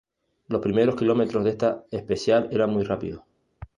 Los primeros kilómetros de esta especial eran muy rápidos.